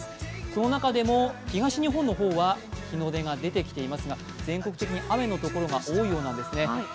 その中でも東日本の方は日の出が出てきていますが全国的に雨のところが多いみたいなんですよね。